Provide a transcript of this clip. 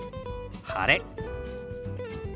「晴れ」。